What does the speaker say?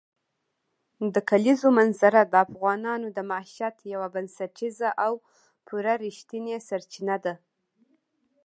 د کلیزو منظره د افغانانو د معیشت یوه بنسټیزه او پوره رښتینې سرچینه ده.